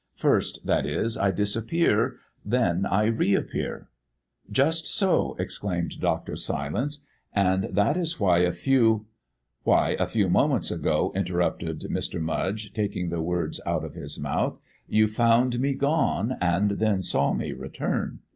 First, that is, I disappear. Then I reappear." "Just so," exclaimed Dr. Silence, "and that is why a few " "Why a few moments ago," interrupted Mr. Mudge, taking the words out of his mouth, "you found me gone, and then saw me return.